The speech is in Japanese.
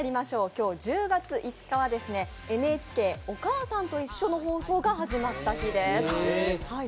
今日１０月５日はＮＨＫ「おかあさんといっしょ」の放送が始まった日です。